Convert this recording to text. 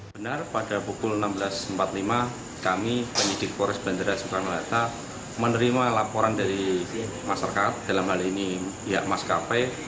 benar pada pukul enam belas empat puluh lima kami penyidik polres bandara soekarno hatta menerima laporan dari masyarakat dalam hal ini pihak maskapai